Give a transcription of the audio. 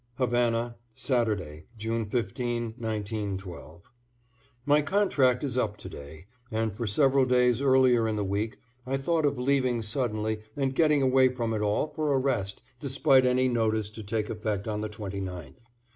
=Havana, Saturday, June 15, 1912.= My contract is up to day, and for several days earlier in the week I thought of leaving suddenly and getting away from it all for a rest despite any notice to take effect on the 29th.